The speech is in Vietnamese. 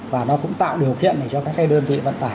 và nó cũng tạo điều kiện cho các đơn vị vận tải